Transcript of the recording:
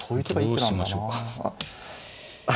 どうしましょうか。